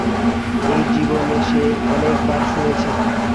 এই জীবনে সে অনেক বার শুনেছে।